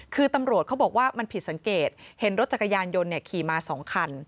คือตำรวจเขาบอกว่ามันผิดสังเกตเห็นรถจักรยานยนต์ขี่มา๒คัน